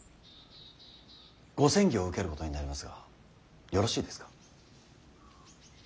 ご詮議を受けることになりますがよろしいですか。